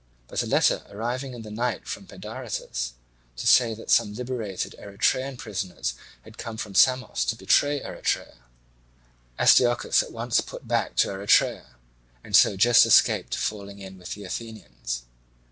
But a letter arriving in the night from Pedaritus to say that some liberated Erythraean prisoners had come from Samos to betray Erythrae, Astyochus at once put back to Erythrae, and so just escaped falling in with the Athenians.